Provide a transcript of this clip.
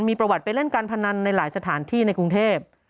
มีประวัติไปเล่นการพนันในหลายสถานที่ในกรุงเทพ